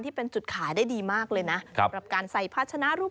ที่เป็นจุดขายได้ดีมากเลยนะสำหรับการใส่พัชนะรูป